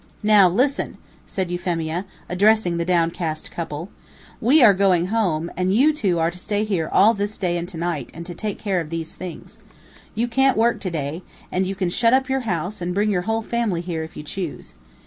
"Now, listen!" said Euphemia, addressing the down cast couple, "we are going home, and you two are to stay here all this day and to night, and take care of these things. You can't work to day, and you can shut up your house, and bring your whole family here if you choose.